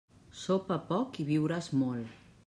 Sopa poc, i viuràs molt.